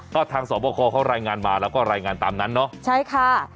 ก็ทางสอบคอเขารายงานมาแล้วก็รายงานตามนั้นเนาะใช่ค่ะ